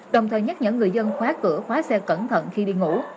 đồng thời nhắc nhở người dân khóa cửa khóa xe cẩn thận khi đi ngủ